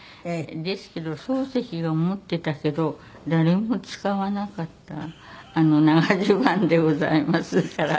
ですけど漱石が持ってたけど誰も使わなかった長じゅばんでございますから。